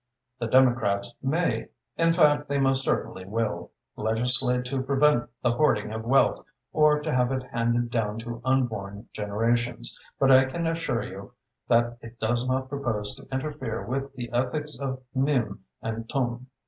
The Democrats may in fact, they most certainly will legislate to prevent the hoarding of wealth or to have it handed down to unborn generations, but I can assure you that it does not propose to interfere with the ethics of meum and tuum."